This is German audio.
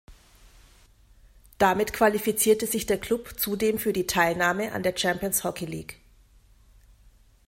Damit qualifizierte sich der Klub zudem für die Teilnahme an der Champions Hockey League.